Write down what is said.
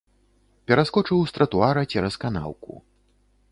Пераскочыў з тратуара цераз канаўку.